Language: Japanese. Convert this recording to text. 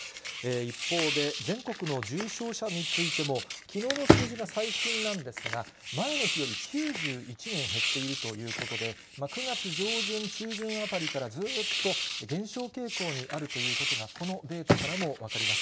一方で、全国の重症者についても、きのうの数字が最新なんですが、前の日より９１人減っているということで、９月上旬、中旬あたりからずっと減少傾向にあるということが、このデータからも分かります。